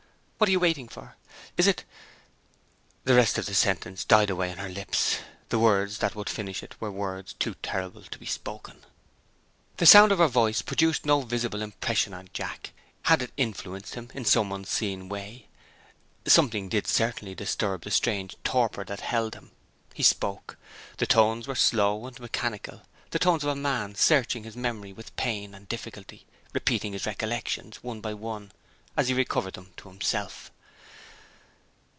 "What are you waiting for? Is it ?" The rest of the sentence died away on her lips: the words that would finish it were words too terrible to be spoken. The sound of her voice produced no visible impression on Jack. Had it influenced him, in some unseen way? Something did certainly disturb the strange torpor that held him. He spoke. The tones were slow and mechanical the tones of a man searching his memory with pain and difficulty; repeating his recollections, one by one, as he recovered them, to himself.